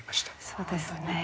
そうですね。